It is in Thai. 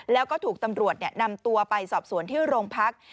แล้วก็ถูกตำรวจนำตัวไปสอบสวนที่โรงพัก